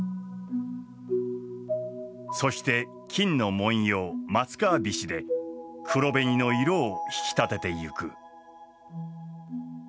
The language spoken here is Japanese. そして金の文様松皮菱で黒紅の色を引き立てていく。